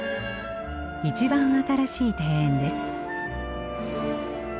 一番新しい庭園です。